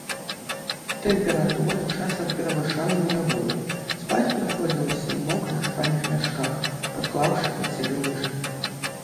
Тэмпература часам перавышала нулявую, спаць прыходзілася ў мокрых спальных мяшках, падклаўшы пад сябе лыжы.